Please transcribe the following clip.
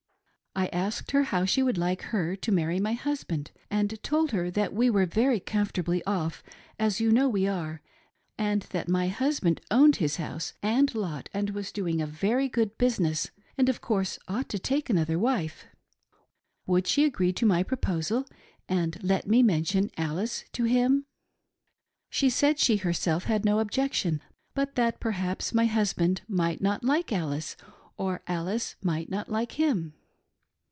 I asked her how she would like her to marry my husband, and told her that we PROPOSING BY PROXY. ^73 were very comfortably off, as you know we are, and that my husband owned his house and lot and was doing a very good business, and, of course, ought to take another wife. Would she agree to my proposal and let me mention Alice to him ?" She said, she herself, had no objection, but that perhaps my husband might not like Alice, or Alice might not like him.